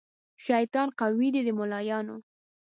شیطان قوي دی د ملایانو